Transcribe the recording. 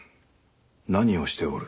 何をしておる。